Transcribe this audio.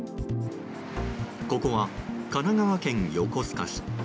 ここは神奈川県横須賀市。